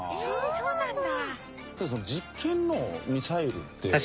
そうなんだ。